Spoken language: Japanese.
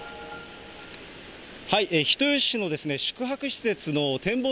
人吉市の宿泊施設の展望